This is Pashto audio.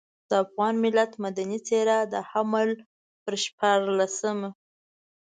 د افغان ملت مدني څېره د حمل پر شپاړلسمه.